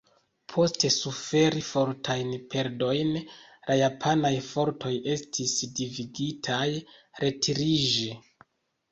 Post suferi fortajn perdojn, la japanaj fortoj estis devigitaj retiriĝi.